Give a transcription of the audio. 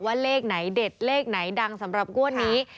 เลขไหนเด็ดเลขไหนดังสำหรับงวดนี้